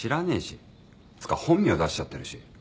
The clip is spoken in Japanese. つうか本名出しちゃってるし。